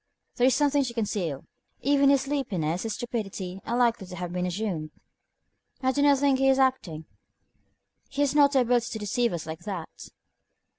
There is something to conceal. Even his sleepiness, his stupidity, are likely to have been assumed." "I do not think he is acting; he has not the ability to deceive us like that."